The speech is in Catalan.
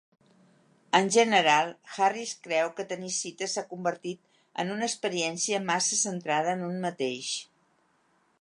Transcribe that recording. En general, Harris creu que tenir cites s'ha convertit en una experiència massa centrada en un mateix.